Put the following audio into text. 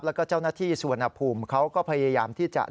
แล้วก็เจ้าหน้าที่สุวรรณภูมิเขาก็พยายามที่จะ